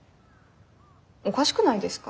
おかしくないですか？